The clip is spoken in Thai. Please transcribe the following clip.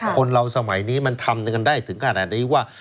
คนเราสมัยนี้มันทำกันได้ถึงขนาดนี้ว่า